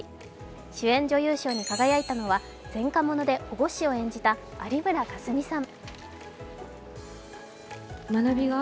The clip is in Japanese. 主演女優賞に輝いたのは「前科者」で保護司を演じた有村架純さん。